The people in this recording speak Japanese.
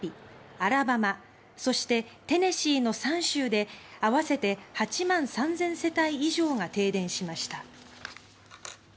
アラバマそしてテネシーの３州で合わせて８万３０００世帯以上が停電しました。